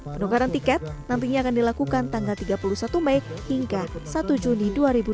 penukaran tiket nantinya akan dilakukan tanggal tiga puluh satu mei hingga satu juni dua ribu dua puluh